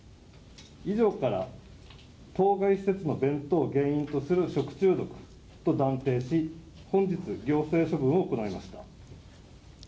以上から、当該施設の弁当を原因とする食中毒と断定し、本日、行政処分を行いました。